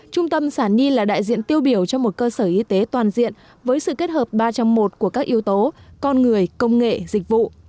trung tâm sản nhi là đại diện tiêu biểu cho một cơ sở y tế toàn diện với sự kết hợp ba trong một của các yếu tố con người công nghệ dịch vụ